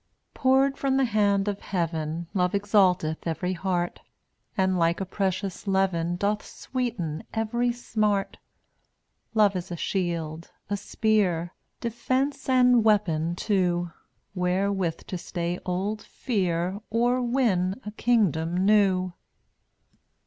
170 Poured from the hand of Heaven Love exalteth every heart, And like a precious leaven Doth sweeten every smart. Love is a shield, a spear — Defense, and weapon too — Wherewith to stay old Fear Or win a kingdom new.